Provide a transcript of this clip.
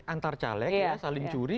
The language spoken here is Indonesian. antar caleg ya saling curi